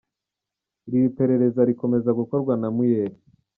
Iri perereza rizakomeza gukorwa na Mueller.